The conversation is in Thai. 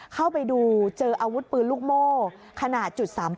เข้าไปดูเจออาวุธปืนลูกโม่ขนาด๓๘